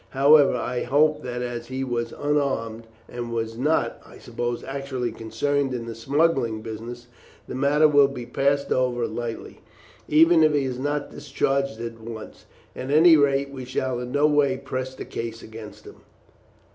However, I hope that as he was unarmed, and was not, I suppose, actually concerned in the smuggling business, the matter will be passed over lightly, even if he is not discharged at once. At any rate, we shall in no way press the case against him."